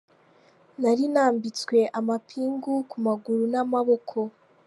Nari nambitswe amapingu ku maguru n’amaboko.